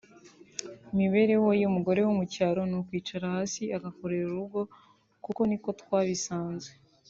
imibereho y’umugore wo mu cyaro ni ukwicara hasi agakorera urugo kuko niko twabisanze